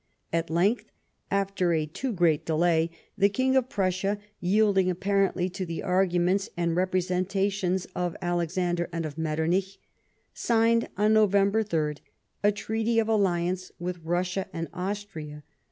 At length, after a too great delay, the King of Prussia, yielding apparently to the arguments and representations of Alexander and of Metternich, signed on November 3rd a treaty of alliance with Eussia and Austria.